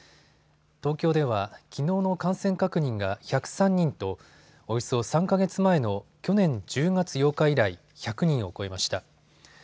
東京ではきのうの感染確認が１０３人とおよそ３か月前の去年１０月８日以来、１００人を超えました。